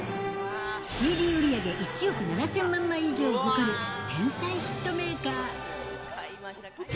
ＣＤ売り上げ１億７０００万枚以上を誇る天才ヒットメーカー。